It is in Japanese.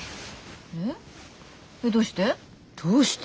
えっえっどうして？